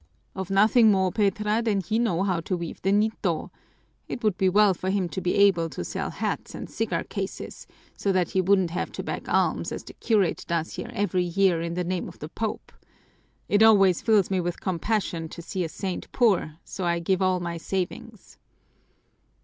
"Of nothing more, Petra, than that he know how to weave the nito. It would be well for him to be able to sell hats and cigar cases so that he wouldn't have to beg alms, as the curate does here every year in the name of the Pope. It always fills me with compassion to see a saint poor, so I give all my savings."